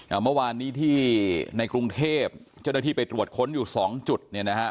เมื่อวานนี้ที่ในกรุงเทพเจ้าหน้าที่ไปตรวจค้นอยู่สองจุดเนี่ยนะฮะ